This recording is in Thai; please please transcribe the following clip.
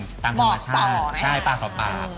บอกต่อตามธรรมชาติใช่ปากกับปาก